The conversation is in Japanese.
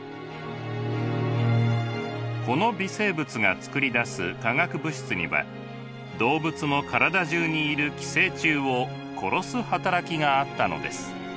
この微生物が作り出す化学物質には動物の体中にいる寄生虫を殺す働きがあったのです。